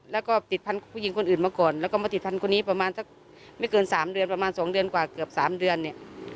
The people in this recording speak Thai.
แล้วก็ติดพันธุ์ผู้หญิงคนอื่นมาก่อนแล้วก็มาติดพันธุ์นี้ประมาณสักไม่เกิน๓เดือนประมาณ๒เดือนกว่าเกือบ๓เดือนเนี่ย